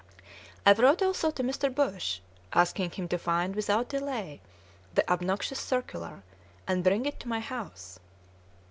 I wrote also to Mr. Bush, asking him to find without delay the obnoxious circular, and bring it to my house.